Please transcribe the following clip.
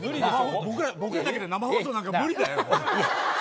僕らだけじゃ生放送なんか無理だよ！